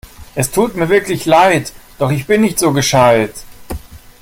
Es tut mir wirklich leid, doch ich bin nicht so gescheit!